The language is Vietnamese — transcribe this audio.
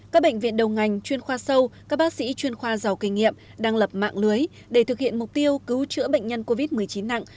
các bệnh viện đầu ngành chuyên khoa sâu các bác sĩ chuyên khoa giàu kinh nghiệm đang lập mạng lưới để thực hiện mục tiêu cứu chữa bệnh nhân covid một mươi chín nặng